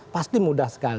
pasti mudah sekali